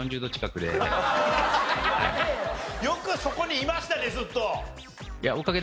よくそこにいましたねずっと。